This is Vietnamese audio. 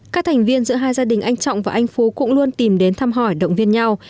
các thành viên giữa hai gia đình anh trọng và anh phú cũng luôn tìm đến thăm hỏi động viên nhau